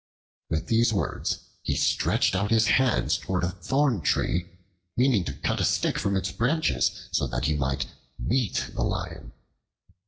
With these words he stretched out his hands toward a thorn tree, meaning to cut a stick from its branches so that he might beat the lion.